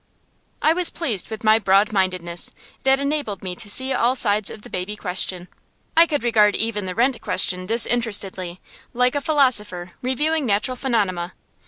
I was pleased with my broad mindedness, that enabled me to see all sides of the baby question. I could regard even the rent question disinterestedly, like a philosopher reviewing natural phenomena.